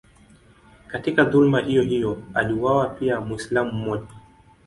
Katika dhuluma hiyohiyo aliuawa pia Mwislamu mmoja.